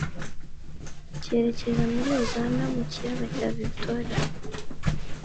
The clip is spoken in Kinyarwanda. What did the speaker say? kerekeza muri u ganda mu kiyaga cya vigitoriya.